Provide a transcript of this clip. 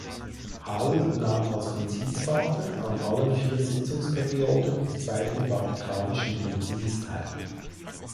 Hall nahm als Konzilsvater an allen vier Sitzungsperioden des Zweiten Vatikanischen Konzils teil.